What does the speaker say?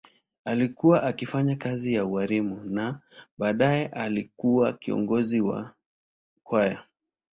Alikuwa akifanya kazi ya ualimu na baadaye alikuwa kiongozi wa kwaya.